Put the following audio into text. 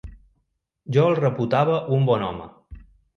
Jo el reputava un bon home.